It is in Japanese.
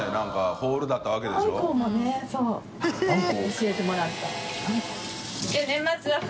フグも教えてもらった。